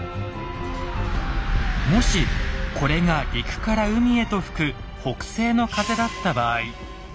もしこれが陸から海へと吹く北西の風だった場合。